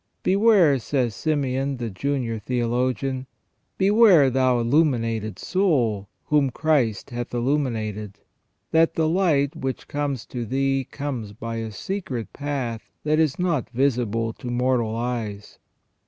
" Beware," says Simeon, the Junior Theologian, " beware, thou illuminated soul, whom Christ hath illuminated, that the light which comes to thee comes by a secret path that is not visible to mortal eyes.